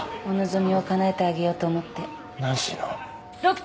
お望みをかなえてあげようと思って。